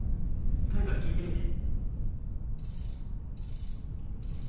とにかく聴いてみて。